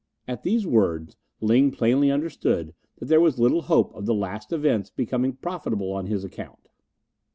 At these words Ling plainly understood that there was little hope of the last events becoming profitable on his account.